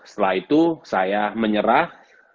setelah itu saya menyerah